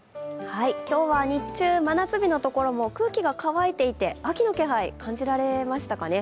今日は日中、真夏日のところも空気が乾いていて秋の気配、感じられましたかね。